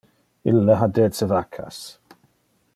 Ille ha dece vaccas.